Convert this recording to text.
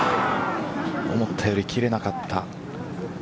思ったより切れなかった。